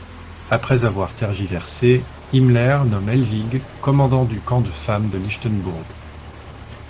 Après avoir tergiversé, Himmler nomme Helwig commandant du camp de femmes de Lichtenburg.